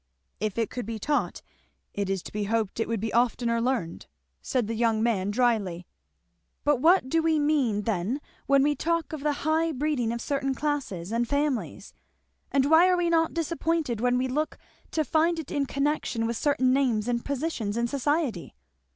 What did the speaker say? "If it could be taught it is to be hoped it would be oftener learned," said the young man dryly. "But what do we mean, then, when we talk of the high breeding of certain classes and families? and why are we not disappointed when we look to find it in connection with certain names and positions in society?"